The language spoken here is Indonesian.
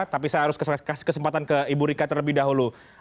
tapi saya harus kasih kesempatan ke ibu rika terlebih dahulu